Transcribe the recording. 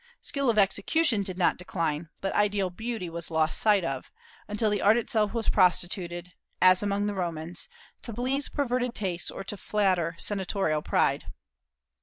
Skill of execution did not decline, but ideal beauty was lost sight of, until the art itself was prostituted as among the Romans to please perverted tastes or to flatter senatorial pride.